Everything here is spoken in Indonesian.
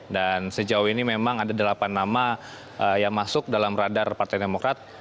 dan sejauh ini memang ada delapan nama yang masuk dalam radar partai demokrat